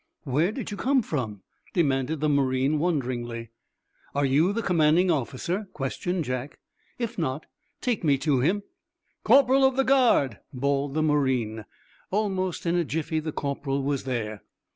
"Where did you come from?" demanded the marine, wonderingly. "Are you the commanding officer?" questioned Jack. "If not, take me to him." "Corporal of the guard!" bawled the marine. Almost in a jiffy the corporal was there.